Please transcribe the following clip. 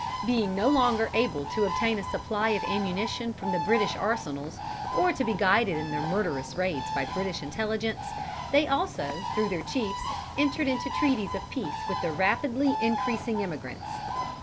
Being no longer able to obtain a supply of ammunition from the British arsenals, or to be guided in their murderous raids by British intelligence, they also, through their chiefs, entered into treaties of peace with the rapidly increasing emigrants.